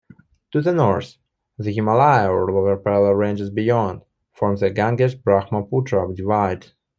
To the north, the Himalaya or lower parallel ranges beyond form the Ganges-Brahmaputra divide.